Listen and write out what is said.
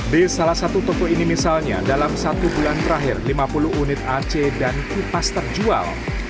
di salah satu toko ini misalnya dalam satu bulan terakhir lima puluh unit ac dan kipas terjual